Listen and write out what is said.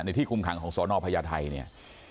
ที่คุมขังของสนพญาไทยเนี่ย